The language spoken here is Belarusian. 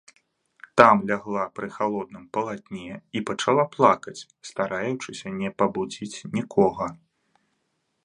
Там лягла пры халодным палатне і пачала плакаць, стараючыся не пабудзіць нікога.